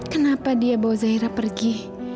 kenapa dia bawa zaira pergi